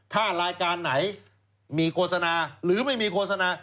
ถ้ารายการไหนมีโฆษณาหรือไม่มีโฆษณา